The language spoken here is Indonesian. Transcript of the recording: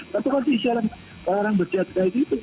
tapi kalau diisi orang orang berjaya jaya begitu